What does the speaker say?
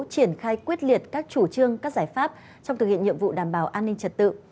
triển khai quyết liệt các chủ trương các giải pháp trong thực hiện nhiệm vụ đảm bảo an ninh trật tự